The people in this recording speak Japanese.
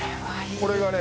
これがね